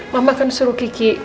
mama akan suruh kiki